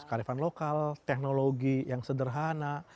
kearifan lokal teknologi yang sederhana